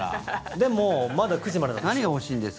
でもまだ９時までなんです。